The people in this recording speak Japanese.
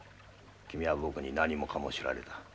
君は僕に何もかも知られた。